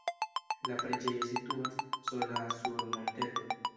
La preĝejo situas sola sur monteto.